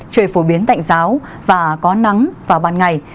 trời phổ biến tạnh giáo và có nắng vào ban ngày